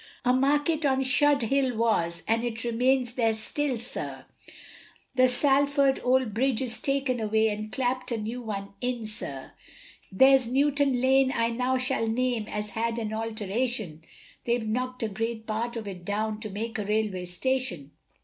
A market on Shudehill was, and it remains there still, sir, The Salford old bridge is taken away, and clapt a new one in, sir, There's Newton lane I now shall name, has had an alteration, They've knock'd a great part of it down, to make a railway station.